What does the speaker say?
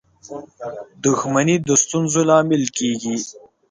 • دښمني د ستونزو لامل کېږي.